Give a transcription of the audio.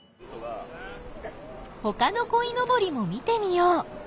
ほかのこいのぼりも見てみよう！